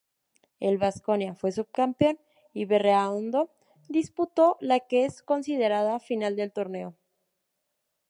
El Vasconia fue subcampeón y Berraondo disputó la que es considerada final del torneo.